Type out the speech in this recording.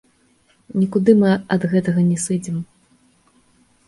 Нікуды мы ад гэтага не сыдзем.